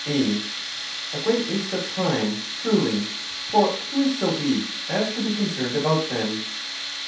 A. A great waste of time, truly! for who is so weak as to be concerned about them?